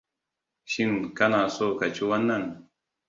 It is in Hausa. Shin kana so ka ci wannan?